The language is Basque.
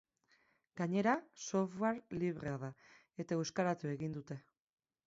Gainera, software librea da eta euskaratu egin dute.